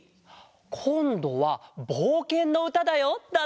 「こんどはぼうけんのうただよ」だって。